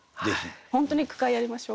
本当に句会やりましょう。